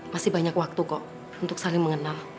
masih banyak waktu kok untuk saling mengenal